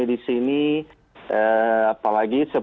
kalau dari memang tradisi kami